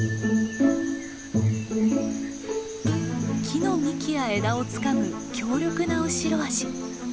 木の幹や枝をつかむ強力な後ろ足。